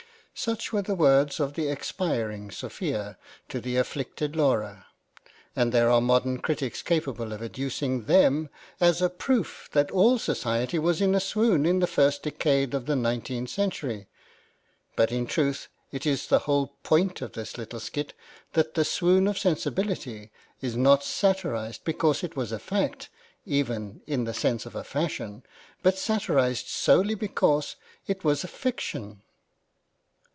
Such were the words of the expiring Sophia to the afflicted Laura ; and there are modern critics capable of adducing them as a proof that all society was in a swoon in the first decade of the nineteenth century. But in truth it is the whole point of this little skit that the swoon of sensibility is not satirised because it was a fact, even in the sense of a fashion, but satirised solely because it was a fiction.